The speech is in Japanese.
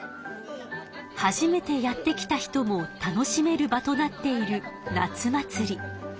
初めてやって来た人も楽しめる場となっている夏祭り。